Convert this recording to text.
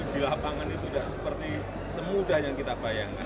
di lapangan itu tidak seperti semudah yang kita bayangkan